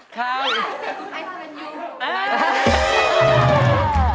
ค่ะอายุสลันยู